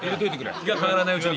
気が変わらないうちに。